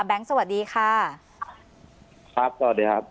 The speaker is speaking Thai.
สวัสดีค่ะครับสวัสดีครับ